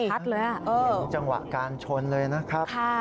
เห็นจังหวะการชนเลยนะครับ